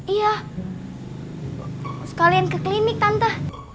iya sekalian ke klinik tante